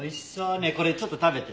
ねえこれちょっと食べても。